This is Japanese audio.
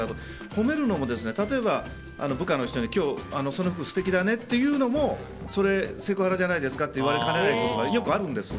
褒めるのも、例えば部下の人に今日、その服素敵だねって言うのもそれ、セクハラじゃないですかと言われかねないというのがよくあるんです。